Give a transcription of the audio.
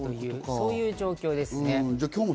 そういう状況ですね。